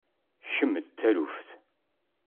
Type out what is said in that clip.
Kemm d taluft.